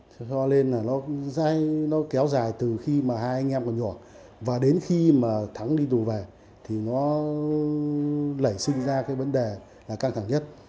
thế cho nên là nó kéo dài từ khi mà hai anh em còn nhỏ và đến khi mà thắng đi tù về thì nó nảy sinh ra cái vấn đề là căng thẳng nhất